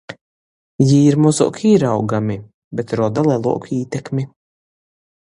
Jī ir mozuok īraugami, bet roda leluoku ītekmi.